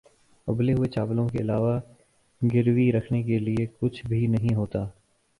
اُبلے ہوئے چاولوں کے علاوہ گروی رکھنے کے لیے کچھ بھی نہیں ہوتا